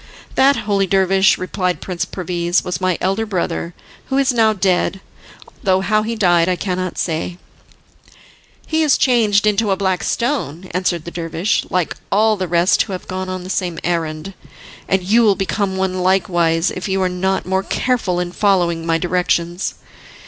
"That, holy dervish," replied Prince Perviz, "was my elder brother, who is now dead, though how he died I cannot say." "He is changed into a black stone," answered the dervish, "like all the rest who have gone on the same errand, and you will become one likewise if you are not more careful in following my directions."